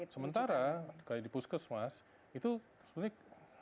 sementara kayak di puskes mas itu sebenarnya